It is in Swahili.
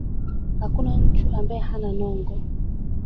Hakuna nchu ambae hana nongo.